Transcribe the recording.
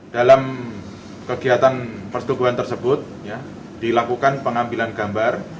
dalam kegiatan persetubuhan tersebut dilakukan pengambilan gambar